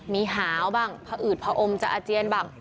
มีหาวบ้างผอืดผอมจะอาเจียนบ้าง